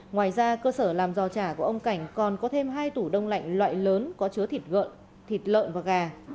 ngoài ra cơ sở làm giò trà của ông cảnh còn có thêm hai tủ đông lạnh loại lớn có chứa thịt lợn thịt lợn và gà